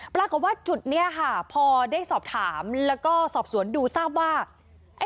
ปรากฏว่าจุดนี้ค่ะพอได้สอบถามแล้วก็สอบสวนดูทราบว่า